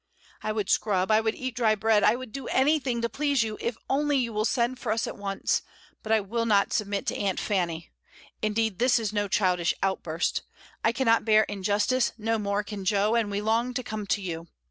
I would scrub, I would eat dry bread, I would do anything to please you, if only you will send for us at once, but I will not submit to Aunt Fanny; indeed, this is no childish outbuiist. I cannot bear injustice, no more can Jo, and we long to come to you.